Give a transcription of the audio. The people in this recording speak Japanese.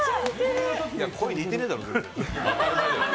声似てねえだろ。